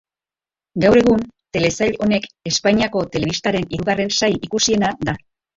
Gaur egun, telesail honek Espainako telebistaren hirugarren sail ikusiena da.